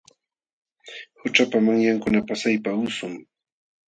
Qućhapa manyankuna pasaypa usum.